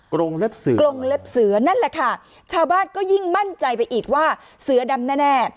กลงเล็บเสือนั่นแหละค่ะชาวบ้านก็ยิ่งมั่นใจไปอีกว่าเสือดำแน่